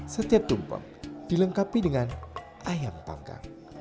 setiap tumpeng dilengkapi dengan ayam panggang